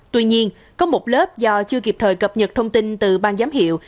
tuy nhiên có một lớp do chưa kịp thời cập nhật thông tin từ ban giám hiệu